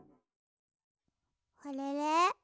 あれれ？